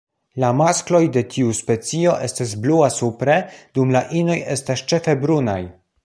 La maskloj de tiu specio estas blua supre, dum la inoj estas ĉefe brunaj.